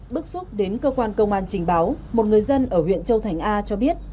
bức xúc đến cơ quan công an trình báo một người dân ở huyện châu thành a cho biết